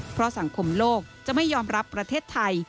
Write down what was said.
เพราะสังคมโลกจะไม่ยอมรับประเทศไทย